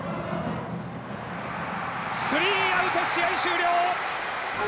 スリーアウト試合終了！